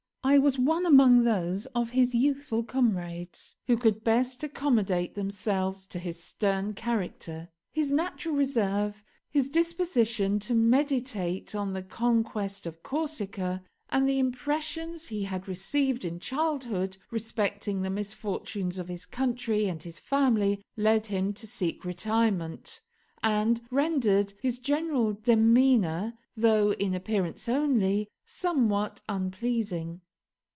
I was one among those of his youthful comrades who could best accommodate themselves to his stern character. His natural reserve, his disposition to meditate on the conquest of Corsica, and the impressions he had received in childhood respecting the misfortunes of his country and his family, led him to seek retirement, and rendered his general demeanour, though in appearance only, somewhat unpleasing.